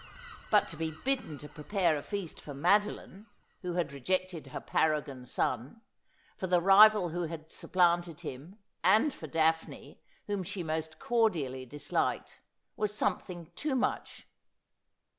But to be bidden to prepare a feast for Madoline, who had rejected her paragon son, for the rival who had supplanted him, and for Daphne, whom she most cordially disliked, was something too much.